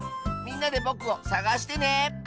みんなでぼくをさがしてね！